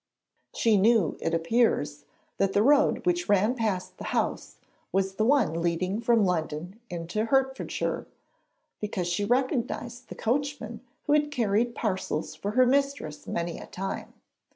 She knew, it appears, that the road which ran past the house was the one leading from London into Hertfordshire, because she recognised the coachman who had carried parcels for her mistress many a time.